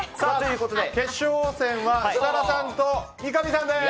決勝戦は設楽さんと三上さんです。